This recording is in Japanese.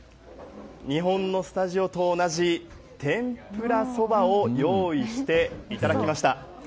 日本のスタジオと同じ天ぷらそばを用意していただきました。